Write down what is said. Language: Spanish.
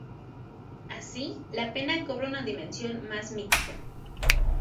Así la pena cobra una dimensión más mítica.